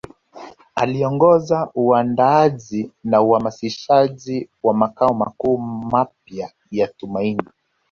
Aliongoza uandaaji na uhamasishaji wa makao makuu mapya ya Tumaini